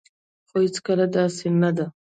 خو هيڅکله داسي نه ده